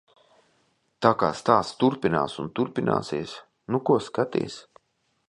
Tā kā stāsts turpinās un turpināsies. Nu ko skaties?